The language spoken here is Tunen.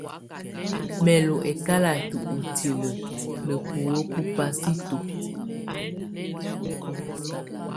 Mɛ̀ lù ɛkalatɛ utilǝ nɛ̀ buwǝ́ bù pasito.